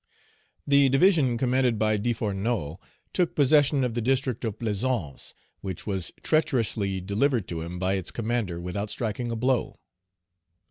The division commanded by Desfourneaux took possession of the district of Plaisance, which was treacherously delivered to him by its commander without striking a blow.